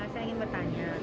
saya ingin bertanya